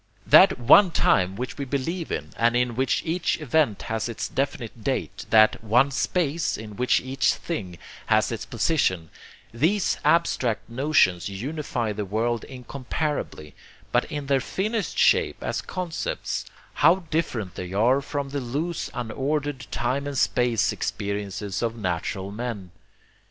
That one Time which we all believe in and in which each event has its definite date, that one Space in which each thing has its position, these abstract notions unify the world incomparably; but in their finished shape as concepts how different they are from the loose unordered time and space experiences of natural men!